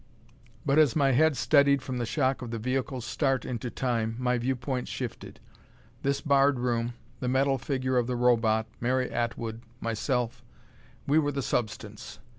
But as my head steadied from the shock of the vehicle's start into Time, my viewpoint shifted. This barred room, the metal figure of the Robot, Mary Atwood, myself we were the substance.